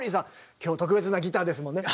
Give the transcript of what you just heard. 今日特別なギターですもんね。